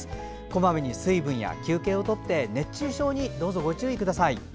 こまめに水分や休憩を取って熱中症にどうぞ、ご注意ください。